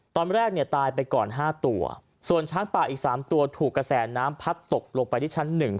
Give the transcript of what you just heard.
ตอนแรกเนี่ยตายไปก่อนห้าตัวส่วนช้างป่าอีกสามตัวถูกกระแสน้ำพัดตกลงไปที่ชั้นหนึ่ง